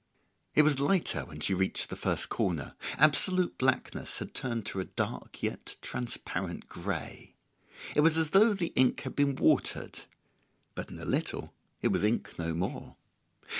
It was lighter when she reached the first corner: absolute blackness had turned to a dark yet transparent grey; it was as though the ink had been watered; but in a little it was ink no more.